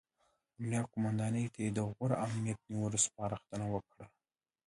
امنیه قوماندان ته یې د غوره امنیت نیولو سپارښتنه وکړه.